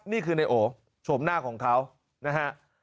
นี่คือในโอโฉมหน้าของเขานะฮะ